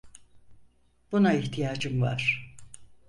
Buna ihtiyacım var.